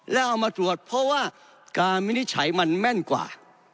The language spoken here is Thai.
แล้วเอามาตรวจเพราะว่าการวินิจฉัยมันแม่นกว่า